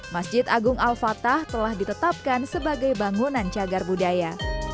masjid agung al fatah telah ditetapkan sebagai bangunan cagar budaya